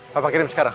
papa kirim sekarang ya